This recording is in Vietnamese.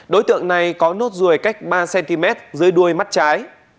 đối tượng này có nốt ruồi cách ba cm dưới đuôi mắt trái